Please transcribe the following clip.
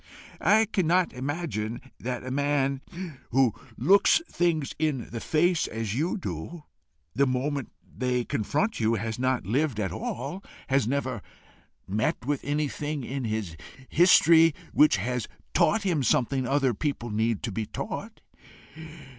"I cannot imagine that a man who looks things in the face as you do, the moment they confront you, has not lived at all, has never met with anything in his history which has taught him something other people need to be taught.